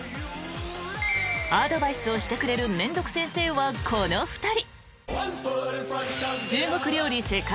［アドバイスをしてくれるめんどく先生はこの２人］